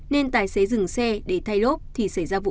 nên tài xế dừng xe để thay lốp thì xảy ra vụ nổ